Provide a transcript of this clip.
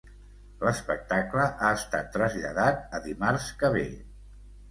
L'espectacle ha estat traslladat a dimarts que ve.